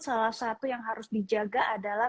salah satu yang harus dijaga adalah